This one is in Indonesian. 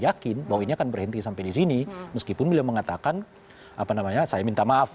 yakin bahwa ini akan berhenti sampai di sini meskipun beliau mengatakan apa namanya saya minta maaf